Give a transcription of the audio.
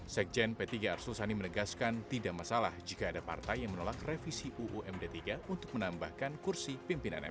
sekjen p tiga arsul sani menegaskan tidak masalah jika ada partai yang menolak revisi uumd tiga untuk menambahkan kursi pimpinan mpr